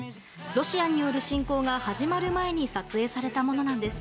ロシアによる侵攻が始まる前に撮影されたものなんです。